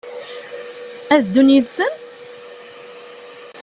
Ad ddun yid-sen?